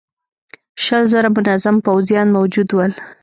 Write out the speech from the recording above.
شل زره منظم پوځيان موجود ول.